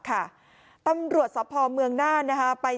กลุ่มตัวเชียงใหม่